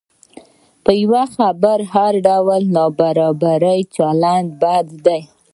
په یوه خبره هر ډول نابرابر چلند بد دی.